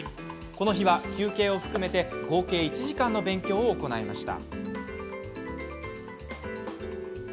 この日は休憩を含めて合計１時間の勉強を行いました。